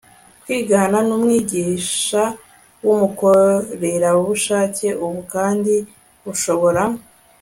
KWIGANA N UMWIGISHA W UMUKORERABUSHAKE Ubu kandi bushobora